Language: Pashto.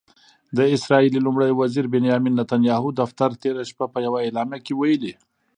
د اسرائیلي لومړي وزیر بنیامن نتنیاهو دفتر تېره شپه په یوه اعلامیه کې ویلي